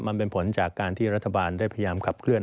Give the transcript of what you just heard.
มันเป็นผลจากการที่รัฐบาลได้พยายามขับเคลื